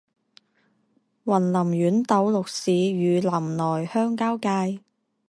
雲林縣斗六市與林內鄉交界